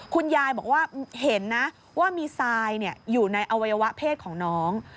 คุณยายบอกว่าเห็นนะว่ามีทรายอยู่ในอวัยวะเพศของน้อง